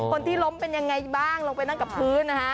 คนที่ล้มเป็นยังไงบ้างลงไปนั่งกับพื้นนะฮะ